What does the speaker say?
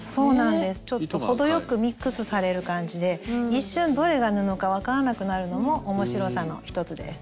ちょっと程よくミックスされる感じで一瞬どれが布か分からなくなるのも面白さの一つです。